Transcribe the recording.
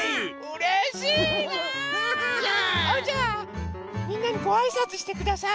あじゃあみんなにごあいさつしてください。